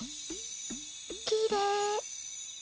きれい。